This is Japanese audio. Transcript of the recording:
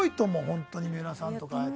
本当に水卜さんとか。